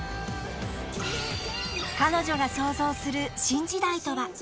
［彼女が想像する新時代とは］